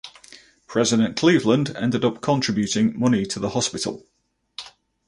President Cleveland ended up contributing money to the hospital.